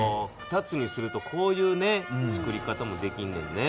２つにするとこういう作り方もできんねんね。